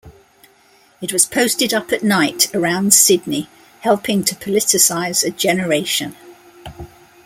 It was posted up at night around Sydney, helping to politicise a generation.